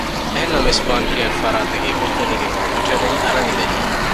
އެހެންނަމަވެސް ބޮންޑު ގަތްފަރާތަކީ ކުންފުނީގެ ކްރެޑިޓަރެއް އަރަނިވެރި އެއް